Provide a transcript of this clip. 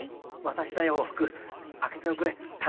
私だよおふく開けておくれ。